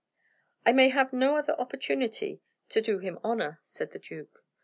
"I may have no other opportunity to do him honor," said the duke.